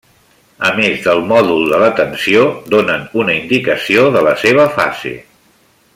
A més del mòdul de la tensió donen una indicació de la seva fase.